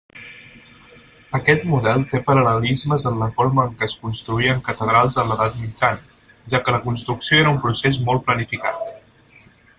Aquest model té paral·lelismes en la forma en què es construïen catedrals en l'Edat Mitjana, ja que la construcció era un procés molt planificat.